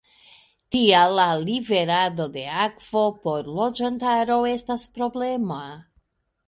Tial la liverado de akvo por loĝantaro estas problema.